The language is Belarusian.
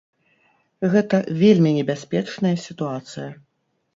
Гэта вельмі небяспечная сітуацыя.